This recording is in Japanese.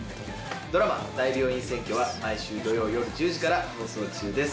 ドラマ『大病院占拠』は毎週土曜夜１０時から放送中です。